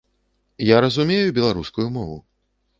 Я разумею беларускую мову!